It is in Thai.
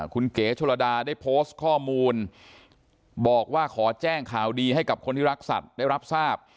คุณเก๋ชนระดาได้โพสต์ข้อมูลบอกว่าขอแจ้งข่าวดีให้กับคนที่รักสัตว์ได้รับทราบ